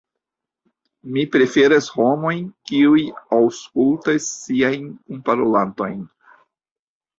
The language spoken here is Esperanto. Mi preferas homojn, kiuj aŭskultas siajn kunparolantojn.